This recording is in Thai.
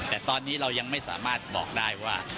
แต่ตอนนี้เรายังไม่สามารถบอกได้ว่า